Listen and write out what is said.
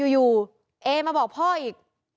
อยู่เอมาบอกพ่ออีก